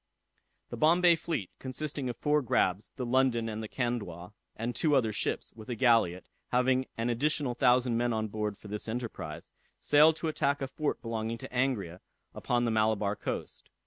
The Bombay fleet, consisting of four grabs, the London and the Candois, and two other ships, with a galliot, having an additional thousand men on board for this enterprise, sailed to attack a fort belonging to Angria upon the Malabar coast.